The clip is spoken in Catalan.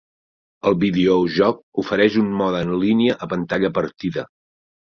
El videojoc ofereix un mode en línia a pantalla partida.